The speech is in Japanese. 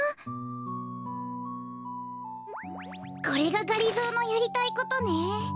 これががりぞーのやりたいことね。